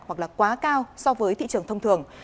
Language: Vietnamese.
hoặc là quá cao so với thị trường thông thường